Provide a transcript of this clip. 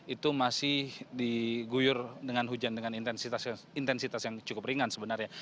itu masih diguyur dengan hujan dengan intensitas yang cukup ringan sebenarnya